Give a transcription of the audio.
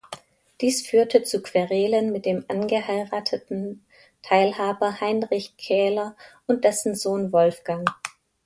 Dies führte zu Querelen mit dem angeheirateten Teilhaber Heinrich Kähler und dessen Sohn Wolfgang.